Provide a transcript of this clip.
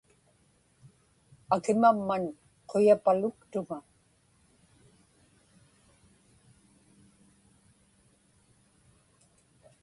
Akimamman quyapaluktuŋa.